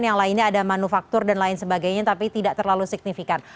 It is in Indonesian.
yang lainnya ada manufaktur dan lain sebagainya tapi tidak terlalu signifikan